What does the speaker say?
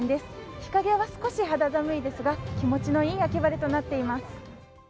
日陰は少し肌寒いですが、気持ちのいい秋晴れとなっています。